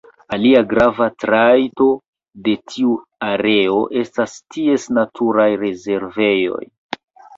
Alia grava trajto de tiu areo estas ties naturaj rezervejoj.